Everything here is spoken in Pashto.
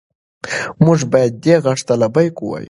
موږ باید دې غږ ته لبیک ووایو.